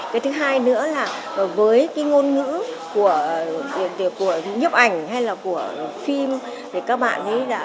cái thứ hai nữa là với cái ngôn ngữ của nhếp ảnh hay là của phim thì các bạn ấy đã